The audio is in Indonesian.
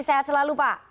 sehat selalu pak